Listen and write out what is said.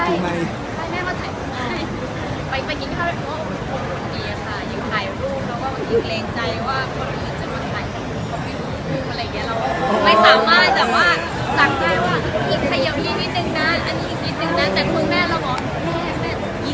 ช่องความหล่อของพี่ต้องการอันนี้นะครับ